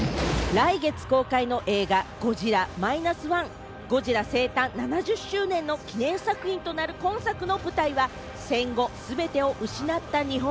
来月公開の映画『ゴジラ−１．０』。ゴジラ生誕７０周年の記念作品となる今作の舞台は、戦後、全てを失った日本。